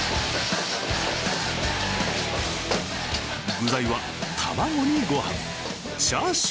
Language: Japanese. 具材は卵にご飯チャーシューとねぎ。